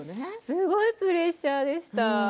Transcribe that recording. すごいプレッシャーでした。